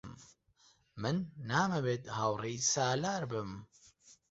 من نامەوێت هاوڕێی سالار بم.